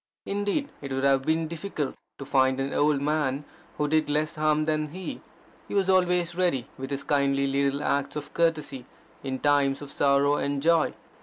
Indeed it would have been difficult to find an old man who did less harm than he. He was always ready with his kindly little acts of courtesy in times of sorrow and joy.